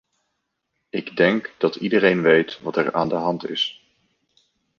Ik denk dat iedereen weet wat er aan de hand is.